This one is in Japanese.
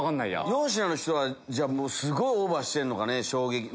４品の人はすごいオーバーしてんのかね。